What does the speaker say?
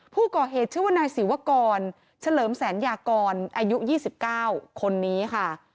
ผู้ก่อเหตุชื่อว่านายศิวกรเฉลิมแสนยากรอายุ๒๙คนนี้ค่ะ